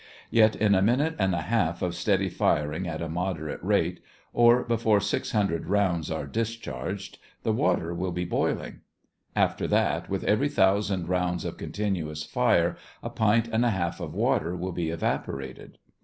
Yet in a minute and a half of steady firing at a moderate rate, or before six hundred rounds are discharged, the water will be boiling. After that, with every thousand rounds of continuous fire a pint and a half of water will be evaporated.